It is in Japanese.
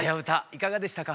いかがでしたか？